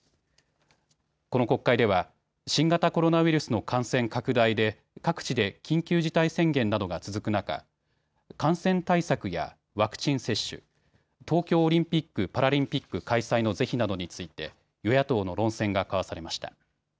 この国会では新型コロナウイルスの感染拡大で各地で緊急事態宣言などが続く中、感染対策やワクチン接種、東京オリンピック・パラリンピック開催の是非などについて与野党の論戦が交わされました。